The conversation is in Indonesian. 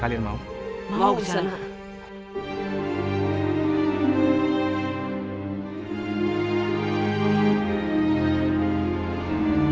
aku mengingatkan kepada anda anak anak tuhan